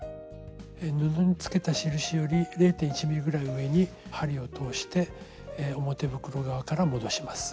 布につけた印より０．１ｍｍぐらい上に針を通して表袋側から戻します。